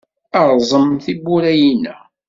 Rẓem tiwwura-inna!